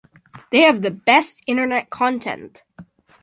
They have the best internet content!